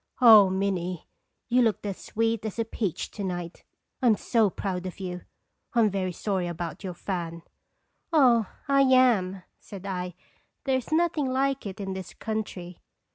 Oh, Minnie! you looked as sweet as a peach to night. I 'm so proud of you ! I 'm very sorry about your fan." " Oh, I am!" said I. "There is nothing like it in this country."